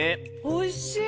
おいしい！